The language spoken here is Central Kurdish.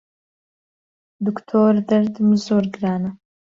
دوکتۆر دەردم زۆر گرانە